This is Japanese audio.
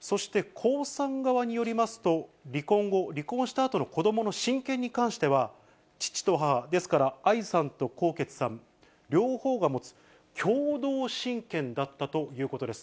そして江さん側によりますと、離婚後、離婚したあとの子どもの親権に関しては、父と母、ですから愛さんと宏傑さん、両方が持つ、共同親権だったということです。